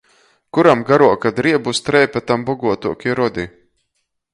Kuram garuoka driebu streipe, tam boguotuoki rodi.